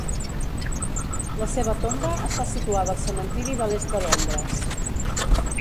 La seva tomba està situada al Cementiri de l'Est de Londres.